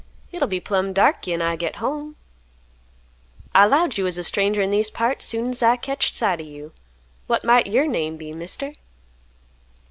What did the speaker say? Hit'll be plumb dark 'gin I git home. I 'lowed you was a stranger in these parts soon 's I ketched sight of you. What might yer name be, Mister?"